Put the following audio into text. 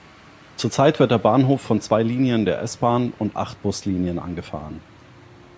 Zurzeit wird der Bahnhof von zwei Linien der S-Bahn und acht Buslinien angefahren.